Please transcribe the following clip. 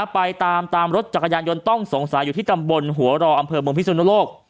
ไปตามรถจักรยานยนต์ต้องสงสัยอยู่ที่ตำบลหัวรออำเภอเมืองพิสุนโลก